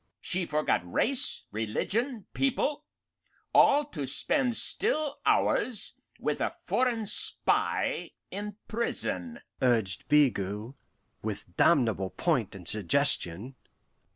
"She forgot race, religion, people all, to spend still hours with a foreign spy in prison," urged Bigot, with damnable point and suggestion.